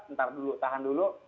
ntar dulu tahan dulu